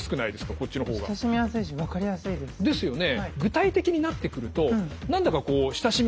こっちの方が。ですよね。